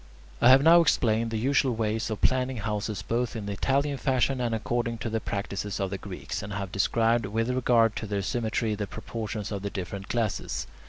I have now explained the usual ways of planning houses both in the Italian fashion and according to the practices of the Greeks, and have described, with regard to their symmetry, the proportions of the different classes.